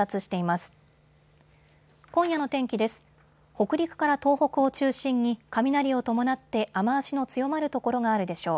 北陸から東北を中心に雷を伴って雨足の強まる所があるでしょう。